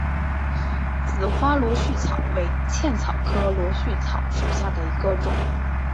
紫花螺序草为茜草科螺序草属下的一个种。